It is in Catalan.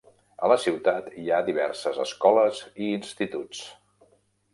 A la ciutat hi ha diverses escoles i instituts.